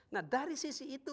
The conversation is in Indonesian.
nah dari sisi itu